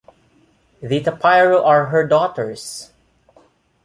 The Tapairu are her daughters.